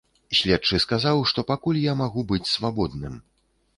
Следчы сказаў, што пакуль я магу быць свабодным.